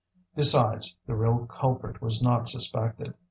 Besides, the real culprit was not suspected.